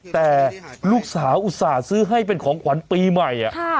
แต่ลูกสาวอุตส่าห์ซื้อให้เป็นของขวัญปีใหม่